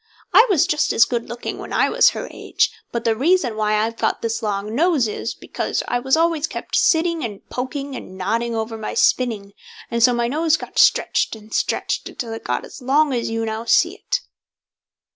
"I was just as good looking when I was her age; but the reason why I've got this long nose is, because I was always kept sitting, and poking, and nodding over my spinning, and so my nose got stretched and stretched, until it got as long as you now see it."